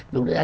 đúng rồi đó